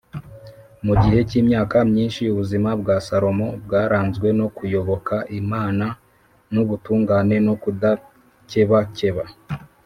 mu gihe cy’imyaka minshi, ubuzima bwa salomo bwaranzwe no kuyoboka imana, n’ubutungane no kudakebakeba,